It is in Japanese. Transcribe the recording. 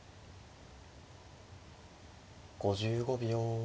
５５秒。